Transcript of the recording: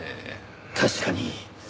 確かに。